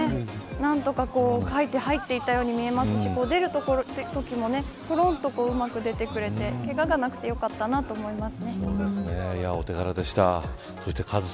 何とか、かいて入っていったように見えましたし出るときも、ころんとうまく出てくれてけががなくてよかったなと思います。